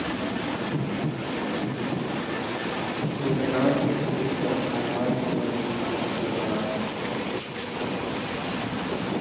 Vietnam کے سفیر کا اسلام باد چیمبر کامرس کا دورہ